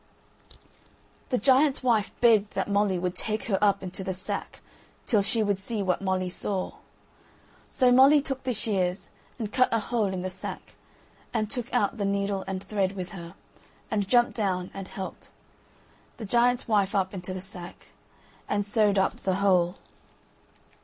The giant's wife begged that Molly would take her up into the sack till she would see what Molly saw. So Molly took the shears and cut a hole in the sack, and took out the needle and thread with her, and jumped down and helped, the giant's wife up into the sack, and sewed up the hole.